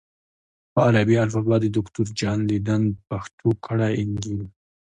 په عربي الفبا د دوکتور جان لیدن پښتو کړی انجیل